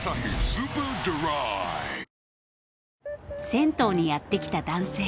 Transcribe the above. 銭湯にやって来た男性。